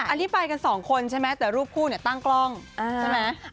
อันนี้ไปกันสองคนใช่ไหมแต่รูปคู่เนี่ยตั้งกล้องใช่ไหม